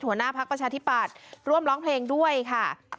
หัวหน้าพักประชาธิปัตย์ร่วมร้องเพลงด้วยค่ะ